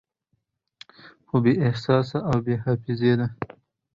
خو بې احساسه او بې حافظې ده